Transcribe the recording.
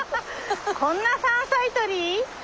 こんな山菜採り？